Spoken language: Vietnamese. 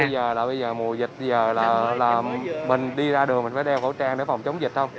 bây giờ mùa dịch bây giờ là mình đi ra đường mình phải đeo khẩu trang để phòng chống dịch không